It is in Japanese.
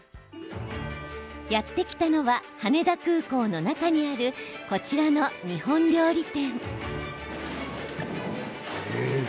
やって来たのは羽田空港の中にあるこちらの日本料理店。